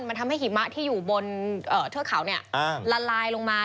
มันทำให้หิมะที่อยู่บนเทือกเขาละลายลงมา